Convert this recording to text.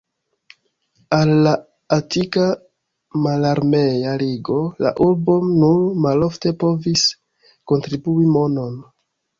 Al la Atika Mararmea Ligo la urbo nur malofte povis kontribui monon.